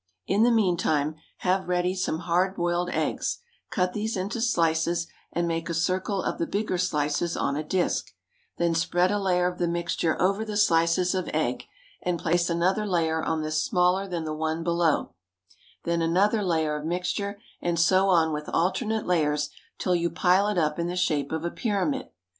In the meantime have ready some hard boiled eggs, cut these into slices, and make a circle of the bigger slices on a dish; then spread a layer of the mixture over the slices of egg, and place another layer on this smaller than the one below, then another layer of mixture, and so on with alternate layers till you pile it up in the shape of a pyramid.